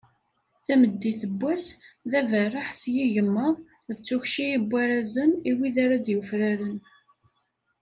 Tameddit n wass, d aberreḥ s yigemmaḍ d tukci n warrazen i wid ara d-yufraren.